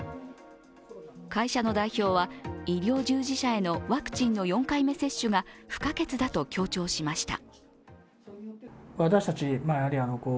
会社の代表は、医療従事者へのワクチンの４回目接種が不可欠だと強調しました。